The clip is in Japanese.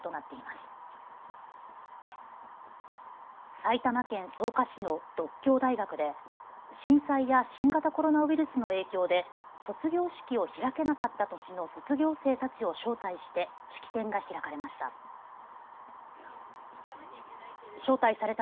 埼玉県草加市の獨協大学で震災や新型コロナウイルスの影響で卒業式を開けなかった年の卒業生たちを招待して式典が開かれました。